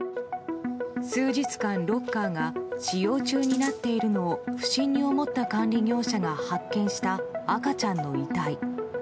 数日間、ロッカーが使用中になっているのを不審に思った管理業者が発見した赤ちゃんの遺体。